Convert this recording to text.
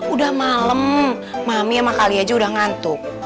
udah malam mami sama kali aja udah ngantuk